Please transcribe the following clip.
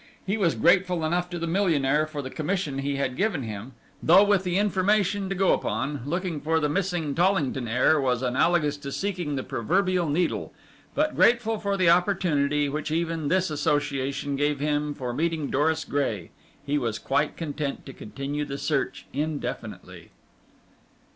He was grateful enough to the millionaire for the commission he had given him though with the information to go upon, looking for the missing Tollington heir was analogous to seeking the proverbial needle but grateful for the opportunity which even this association gave him for meeting Doris Gray, he was quite content to continue the search indefinitely.